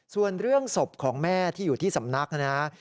ส่วนเรื่องศพของแม่ที่อยู่ที่สำนักนะครับ